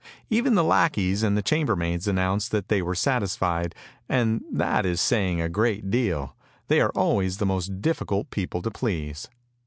Even the lackeys and the chambermaids announced that they were satisfied, and that is saying a great deal, they are always the most difficult people to please.